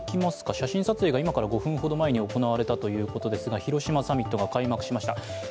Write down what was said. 写真撮影が今から５分ほど前に行われたということですが広島サミットが開幕しました。